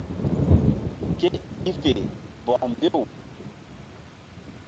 Ke i fe bɔk mbew.